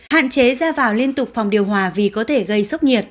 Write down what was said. hạn chế ra vào liên tục phòng điều hòa vì có thể gây sốc nhiệt